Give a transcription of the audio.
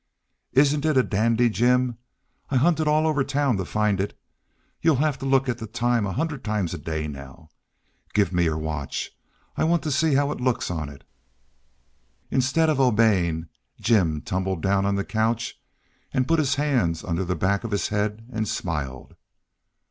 "Isn't it a dandy, Jim? I hunted all over town to find it. You'll have to look at the time a hundred times a day now. Give me your watch. I want to see how it looks on it." Instead of obeying, Jim tumbled down on the couch and put his hands under the back of his head and smiled.